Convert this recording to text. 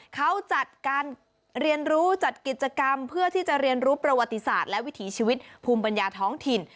เขาจัดการเรียนรู้จัดกิจกรรมเพื่อที่จะเรียนรู้ประวัติศาสตร์และวิถีชีวิตภูมิปัญญาท้องถิ่น